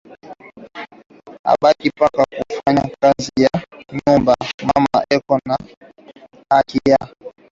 abaki paka ku fanya kazi ya ku nyumba mama eko na haki ya